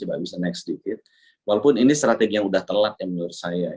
walaupun ini strategi yang telat menurut saya